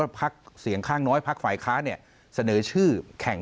ว่าภาครักษ์เสียงคล่างน้อยภาคข่ายค้าเนี่ยเสนอชื่อแข่ง